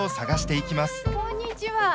こんにちは。